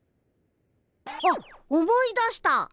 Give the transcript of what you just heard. あっ思い出した。